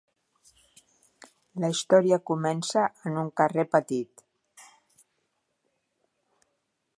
La història comença en un carrer petit.